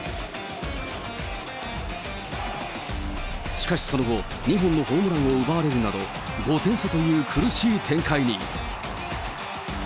しかしその後、２本のホームランを奪われるなど、５点差という苦しい展開に。